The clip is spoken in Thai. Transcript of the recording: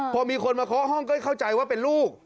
พอมีคนมาเคาะห้องก็เข้าใจว่าเป็นลูก